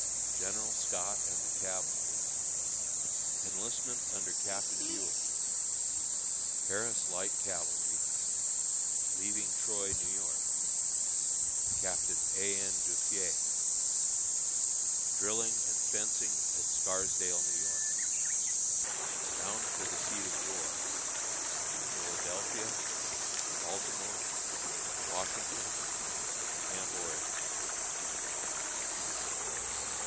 General Scott and the Cavalry. Enlistment under Captain Buel. Harris Light Cavalry. Leaving Troy, New York. Captain A. N. Duffié. Drilling and Fencing at Scarsdale, New York. Bound for the Seat of War. Philadelphia. Baltimore. Washington. Camp Oregon.